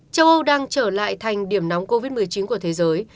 châu âu đang trở lại thành điểm nóng covid một mươi chín của thế giới